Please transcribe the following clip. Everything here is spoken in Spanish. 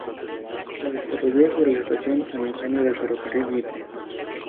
Se desarrolló sobre la estación San Eugenio del ferrocarril Mitre.